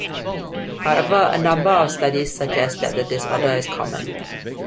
However a number of studies suggest that the disorder is common.